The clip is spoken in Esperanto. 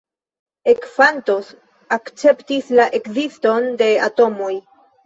Ekfantos akceptis la ekziston de atomoj.